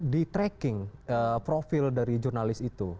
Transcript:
di tracking profil dari jurnalis itu